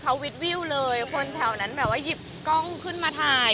เขาวิดวิวเลยคนแถวนั้นแบบว่าหยิบกล้องขึ้นมาถ่าย